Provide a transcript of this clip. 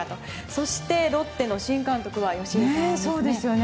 そして、ロッテの新監督は吉井さんですね。